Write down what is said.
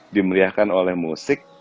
dimeriahkan oleh musik